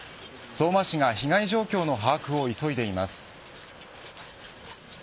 相馬市が被害状況の把握を急いでいます。